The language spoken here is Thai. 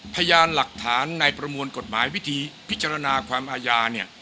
พยานหลักฐานในประมวลกฎหมายวิธีพิจารณาความอาญาเนี่ย